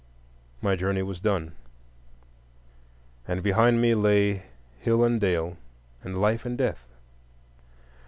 My journey was done, and behind me lay hill and dale, and Life and Death.